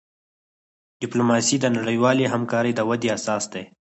ډیپلوماسي د نړیوالی همکاری د ودي اساس دی.